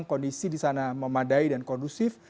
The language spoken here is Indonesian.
kondisi di sana memadai dan kondusif